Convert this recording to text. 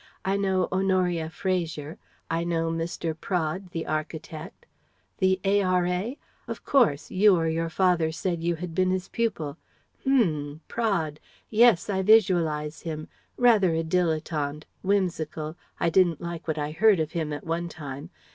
"I know Honoria Fraser I know Mr. Praed the architect " "The A.R.A.? Of course; you or your father said you had been his pupil. H'm. Praed. Yes, I visualize him. Rather a dilettante whimsical I didn't like what I heard of him at one time.